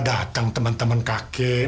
datang teman teman kakek